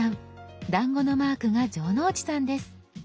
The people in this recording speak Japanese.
だんごのマークが城之内さんです。